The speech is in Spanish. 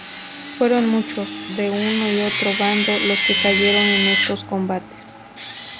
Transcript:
Fueron muchos, de uno y otro bando, los que cayeron en estos combates.